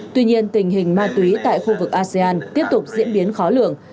tuy nhiên tình hình ma túy tại khu vực asean tiếp tục diễn biến khó lường